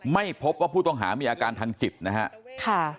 ไม่พบว่าผู้ต้องหามีอาการทางจิตนะครับ